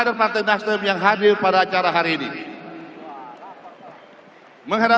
rabbana ya allah atina